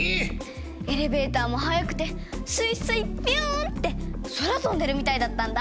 エレベーターも速くてスイスイピューンって空とんでるみたいだったんだ。